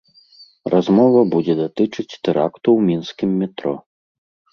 Размова будзе датычыць тэракту ў мінскім метро.